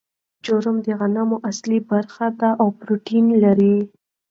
جرم د غنم اصلي برخه ده او پروټین لري.